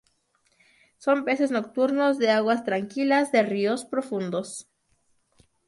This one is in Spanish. Son peces nocturnos de aguas tranquilas de ríos profundos.